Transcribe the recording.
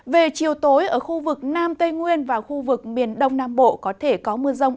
về chiều tối ở khu vực nam tây nguyên và khu vực miền đông nam bộ có thể có mưa rông